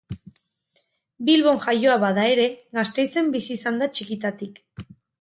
Bilbon jaioa bada ere Gasteizen bizi izan da txikitatik.